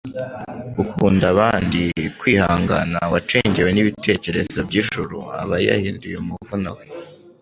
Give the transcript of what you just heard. ukunda abandi, kwihangana, wacengewe n'ibitekerezo by'ijuru aba yihindukiye umuvumo we